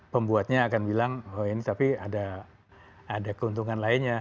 pembuatnya akan bilang oh ini tapi ada keuntungan lainnya